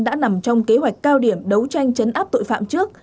đã nằm trong kế hoạch cao điểm đấu tranh chấn áp tội phạm trước